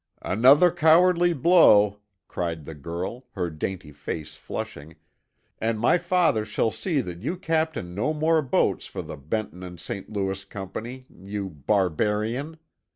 "Another cowardly blow," cried the girl, her dainty face flushing, "and my father shall see that you captain no more boats for the Benton and St. Louis Company—you barbarian.